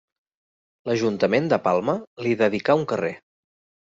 L'Ajuntament de Palma li dedicà un carrer.